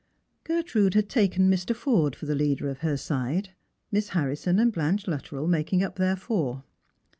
Gertrude had taken Mr. Forde for the leader of her side, Miss Harrison and Blanche Luttrell making up their four.